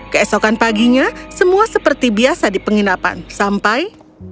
keesokan paginya semua seperti biasa di penginapan sampai